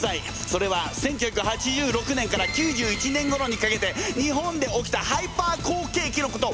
それは１９８６年から９１年ごろにかけて日本で起きたハイパー好景気のこと！